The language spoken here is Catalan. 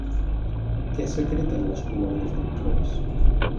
Què secreten les colònies de microbis?